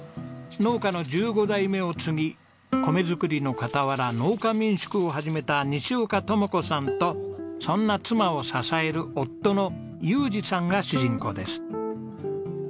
農家の１５代目を継ぎ米作りの傍ら農家民宿を始めた西岡智子さんとそんな妻を支える夫の裕次さんが主人公です。